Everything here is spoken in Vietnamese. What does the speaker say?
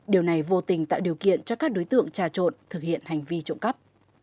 điều này vô tình tạo điều kiện cho các đối tượng trà trộn thực hiện hành vi trộm cắp